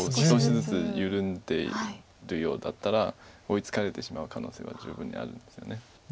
少しずつ緩んでるようだったら追いつかれてしまう可能性は十分にあるんですよね。